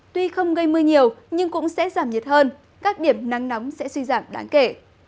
tuy không gây mưa nhiều nhưng cũng sẽ giảm nhiệt hơn các điểm nắng nóng sẽ suy giảm đáng kể